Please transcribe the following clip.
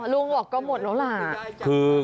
อ๋อลุงออกก็หมดแล้วเหรอ